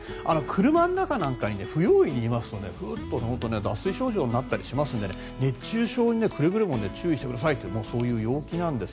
車の中なんかに不用意にいますと脱水症状になったりしますので熱中症にくれぐれも注意してくださいという陽気なんです。